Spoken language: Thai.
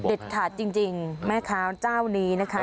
เด็ดถัดจริงแม่ขาวเจ้านี้นะคะ